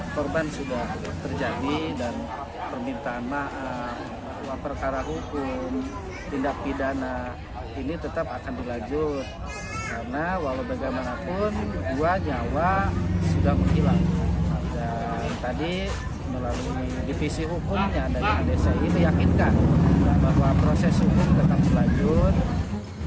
tahun tahunnya dari adc ini meyakinkan bahwa proses hukum tetap selanjut